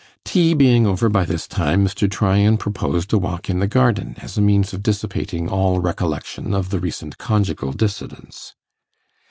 Tea being over by this time, Mr. Tryan proposed a walk in the garden as a means of dissipating all recollection of the recent conjugal dissidence.